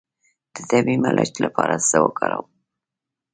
د طبیعي ملچ لپاره څه وکاروم؟